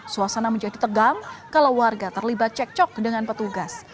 suasana menjadi tegang kalau warga terlibat cekcok dengan petugas